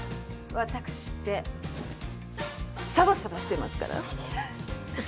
ワタクシってサバサバしてますから！